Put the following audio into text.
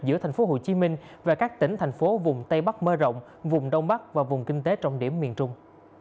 giữa tp hcm và các tỉnh thành phố vùng tây bắc mơ rộng vùng đông bắc và vùng kinh tế trọng điểm miền trung